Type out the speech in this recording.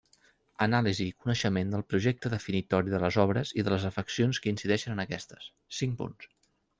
Anàlisi i coneixement del projecte definitori de les obres i de les afeccions que incideixen en aquestes: cinc punts.